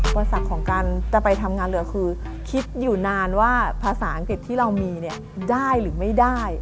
อุปสรรคของการจะไปทำงานเรือคือคิดอยู่นานว่าภาษาอังกฤษที่เรามีเนี่ยได้หรือไม่ได้